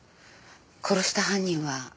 殺した犯人は？